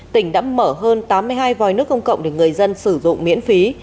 tỉnh đã mở hơn tám mươi hai vòi nước công cộng để người dân sử dụng miễn phí